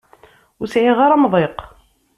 Ur sɛiɣ ara amḍiq.